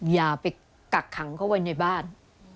อย่าไปกักขังเขาไว้ในบ้าน